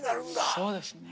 そうですね。